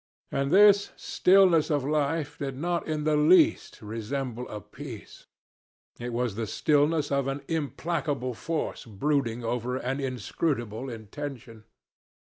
And this stillness of life did not in the least resemble a peace. It was the stillness of an implacable force brooding over an inscrutable intention.